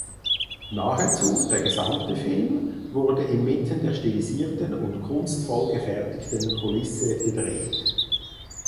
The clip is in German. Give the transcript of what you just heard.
Nahezu der gesamte Film wurde inmitten der stilisierten und kunstvoll gefertigten Kulisse gedreht.